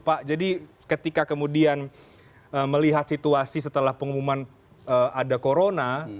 pak jadi ketika kemudian melihat situasi setelah pengumuman ada corona